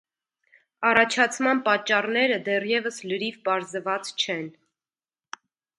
Առաջացման պատճառները դեռես լրիվ պարզված չեն։